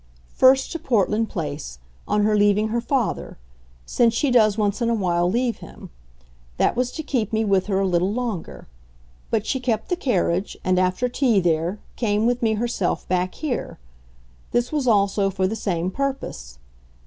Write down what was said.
"First to Portland Place on her leaving her father: since she does, once in a while, leave him. That was to keep me with her a little longer. But she kept the carriage and, after tea there, came with me herself back here. This was also for the same purpose.